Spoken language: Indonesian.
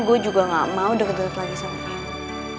gua juga ga mau deket deket lagi sama dia